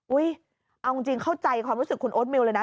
เอาจริงเข้าใจความรู้สึกคุณโอ๊ตมิวเลยนะ